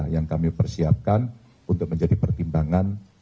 yang kami persiapkan untuk menjadi pertimbangan